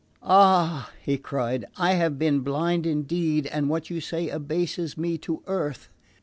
"Ah," he cried, "I have been blind indeed, and what you say abases me to earth.